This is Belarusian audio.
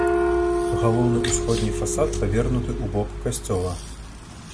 Галоўны ўсходні фасад павернуты ў бок касцёла.